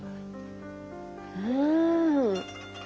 うん。